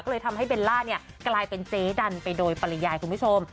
ก็เลยทำให้เบลล่าเนี่ยกลายเป็นเจ๊ดันไปโดยปริยายคุณผู้ชม